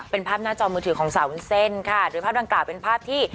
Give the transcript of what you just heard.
เป็นภาพหน้าจอมือถือของสาววุ้นเส้นค่ะโดยภาพดังกล่าวเป็นภาพที่